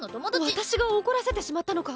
私が怒らせてしまったのか？